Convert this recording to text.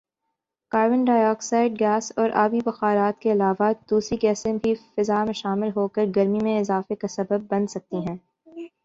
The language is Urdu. کاربن ڈائی آکسائیڈ گیس اور آبی بخارات کے علاوہ ، دوسری گیسیں بھی فضا میں شامل ہوکر گرمی میں اضافے کا سبب بن سکتی ہیں